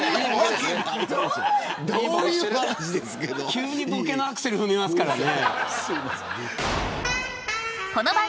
急にボケのアクセル踏みますからね。